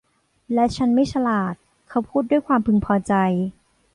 และฉันไม่ฉลาด เขาพูดด้วยความพึงพอใจ